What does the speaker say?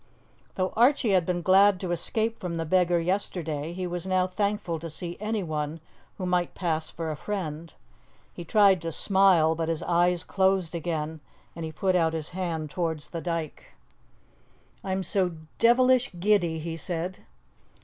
Though Archie had been glad to escape from the beggar yesterday, he was now thankful to see anyone who might pass for a friend. He tried to smile, but his eyes closed again, and he put out his hand towards the dyke. "I'm so devilish giddy," he said.